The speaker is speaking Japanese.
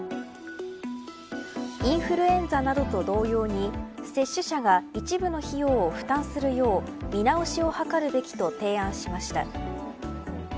インフルエンザなどと同様に接種者が一部の費用を負担するよう見直しを図るべきと提案しました。